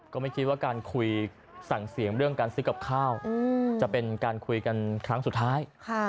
ก็ไม่คิดว่าการคุยสั่งเสียงเรื่องการซื้อกับข้าวจะเป็นการคุยกันครั้งสุดท้าย